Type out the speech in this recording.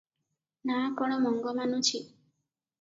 "ନାଆ କଣ ମଙ୍ଗ ମାନୁଛି ।